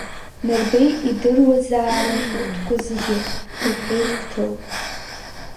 Нырбеи идыруазаарын урҭқәа зегьы, — иҳәеит Қәҭыл.